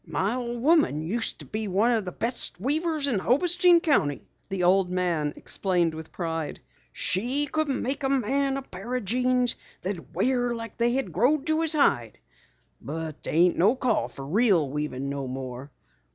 "My old woman used to be one o' the best weavers in Hobostein county," the old man explained with pride. "She could make a man a pair o' jeans that'd wear like they had growed to his hide. But they ain't no call for real weavin' no more.